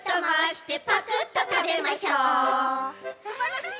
すばらしい！